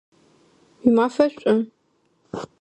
Уимафэ шӏу!